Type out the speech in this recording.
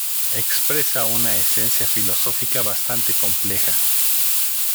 Expresa una esencia filosófica bastante compleja.